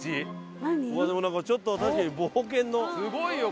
でもなんかちょっと確かに冒険の。